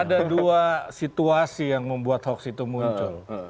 ada dua situasi yang membuat hoax itu muncul